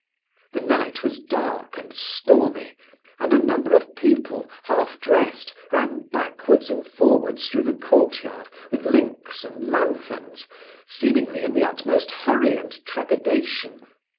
The night was dark and stormy; and a number of people half dressed ran backwards and forwards thro' the court yard, with links and lanthorns, seemingly in the utmost hurry and trepidation.